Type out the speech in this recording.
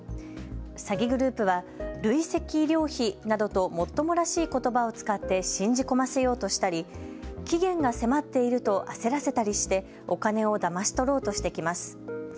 詐欺グループは累積医療費などともっともらしいことばを使って信じ込ませようとしたり期限が迫っていると焦らせたりしてお金をだまし取ろうとしてきます。